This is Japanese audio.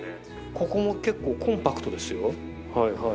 ここも結構コンパクトですよ。